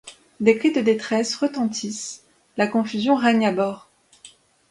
Des cris de détresse retentissent, la confusion règne à bord.